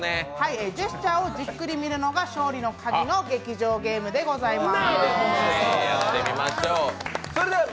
ジェスチャーをじっくり見るのが勝利のカギの劇場ゲームでございます。